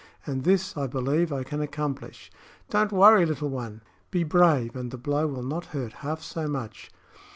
And this, I believe, I can accomplish. Don't worry, little one! Be brave, and the blow will not hurt half so much."